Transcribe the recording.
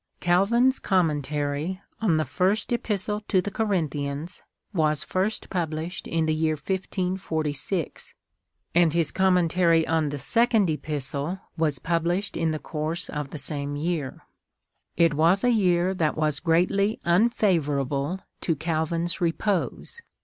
Calvin's Commentaiy on the First Epistle to the Corin thians was first published in the year 1546, and his Com mentary on the Second Epistle was published in the course TBANSLATOR S PREFACE. IX of the same year. It was a year that was greatly " un favourable to Calvin's repose.